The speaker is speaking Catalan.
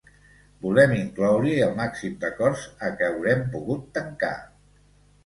Volem incloure-hi el màxim d’acords a què haurem pogut tancar.